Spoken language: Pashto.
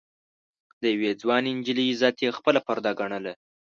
د يوې ځوانې نجلۍ عزت يې خپله پرده ګڼله.